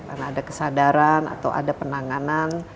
karena ada kesadaran atau ada penanganan